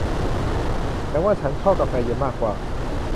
แต่ว่าฉันชอบกาแฟเย็นมากกว่า